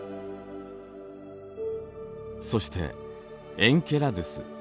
そしてエンケラドゥス。